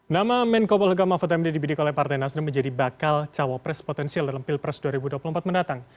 nama menko polgama fud mdbd oleh partai nasional menjadi bakal cawapres potensial dalam pilpres dua ribu dua puluh empat mendatang